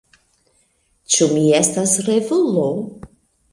Ĉu mi estas revulo?